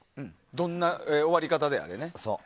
どんな終わり方であれ。